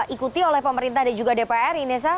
ikuti oleh pemerintah dan juga dpr inessa